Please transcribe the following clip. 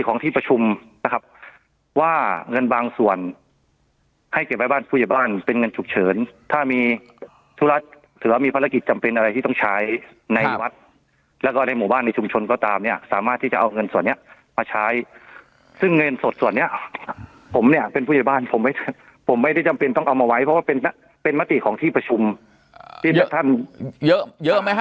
ของที่ประชุมนะครับว่าเงินบางส่วนให้เก็บไว้บ้านผู้ใหญ่บ้านเป็นเงินฉุกเฉินถ้ามีธุระถือว่ามีภารกิจจำเป็นอะไรที่ต้องใช้ในวัดแล้วก็ในหมู่บ้านในชุมชนก็ตามเนี่ยสามารถที่จะเอาเงินส่วนเนี้ยมาใช้ซึ่งเงินสดส่วนเนี้ยผมเนี่ยเป็นผู้ใหญ่บ้านผมไม่ผมไม่ได้จำเป็นต้องเอามาไว้เพราะว่าเป็นเป็นมติของที่ประชุมที่เลือกท่านเยอะเยอะไหมฮ